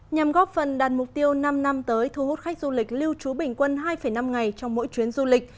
nhằm góp phần đàn mục tiêu năm năm tới thu hút khách du lịch lưu trú bình quân hai năm ngày trong mỗi chuyến du lịch